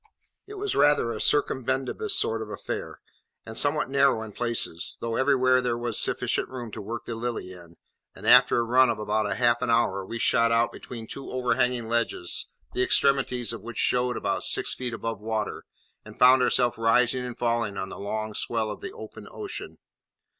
It was rather a circumbendibus sort of affair, and somewhat narrow in places, though everywhere there was sufficient room to work the Lily in; and after a run of about half an hour, we shot out between two overhanging ledges, the extremities of which showed about, six feet above water, and found ourselves rising and falling on the long swell of the open ocean.